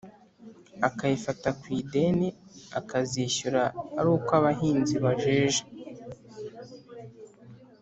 akayifata ku ideni akazishyura ari uko abahinzi bejeje